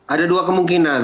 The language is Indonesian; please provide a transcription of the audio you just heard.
ada dua kemungkinan